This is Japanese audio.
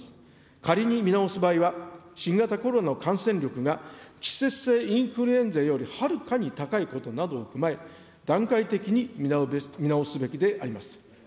仮に見直す場合は、新型コロナの感染力が季節性インフルエンザよりはるかに高いことなどを踏まえ、段階的に見直すべきであります。